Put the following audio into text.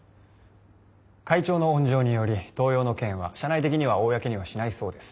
会長の恩情により盗用の件は社内的には公にはしないそうです。